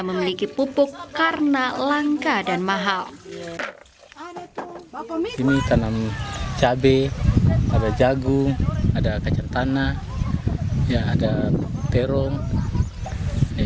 memiliki pupuk karena langka dan mahal ini tanam cabe ada jagung ada kacang tanah yang ada perut